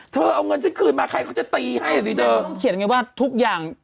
เธอเอาเงินฉันคืนมาใครก็จะตีให้สิเธอเขียนอย่างนี้ว่าทุกอย่าง